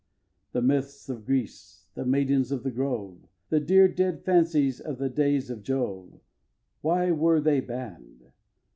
xii. The myths of Greece, the maidens of the grove, The dear dead fancies of the days of Jove, Why were they bann'd?